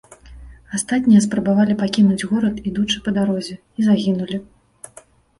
Астатнія спрабавалі пакінуць горад, ідучы па дарозе, і загінулі.